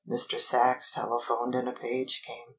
Mr. Sachs telephoned and a page came.